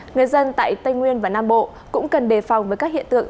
người dân tại tây nguyên và nam bộ cũng cần đề phòng với các hiện tượng